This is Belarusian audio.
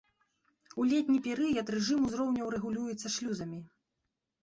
У летні перыяд рэжым узроўняў рэгулюецца шлюзамі.